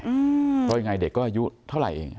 เพราะยังไงเด็กก็อายุเท่าไหร่เอง